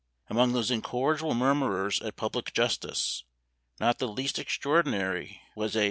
Among those incorrigible murmurers at public justice, not the least extraordinary was a M.